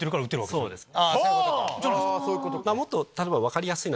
そうですね